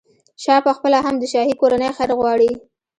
شاه پخپله هم د شاهي کورنۍ خیر غواړي.